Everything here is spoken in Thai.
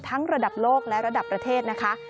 ระดับโลกและระดับประเทศนะคะ